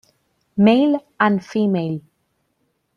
Male and female.